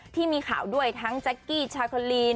ที่มีข่าวด้วยทั้งแจ๊กกี้ชาโคลีน